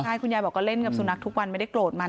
ใช่คุณยายบอกก็เล่นกับสุนัขทุกวันไม่ได้โกรธมัน